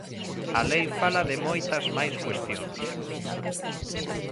A lei fala de moitas máis cuestións.